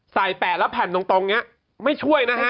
ใส่แป่แล้วผันตรงเนี่ยไม่ช่วยนะฮะ